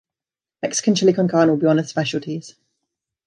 Mexican chili con carne will be one of the specialties.